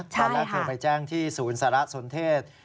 ตอนแรกเธอไปแจ้งที่ศูนย์สารสนเทศ